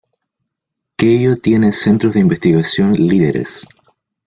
Keio tiene centros de investigación líderes.